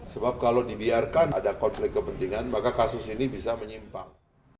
sebab kalau dibiarkan ada konflik kepentingan maka kasus ini bisa menyimpang